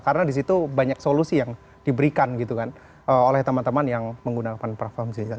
karena di situ banyak solusi yang diberikan gitu kan oleh teman teman yang menggunakan platform digital